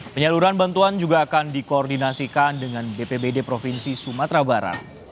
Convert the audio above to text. penyaluran bantuan juga akan dikoordinasikan dengan bpbd provinsi sumatera barat